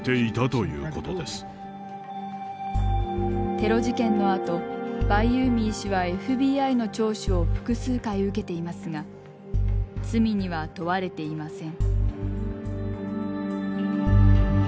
テロ事件のあとバイユーミー氏はＦＢＩの聴取を複数回受けていますが罪には問われていません。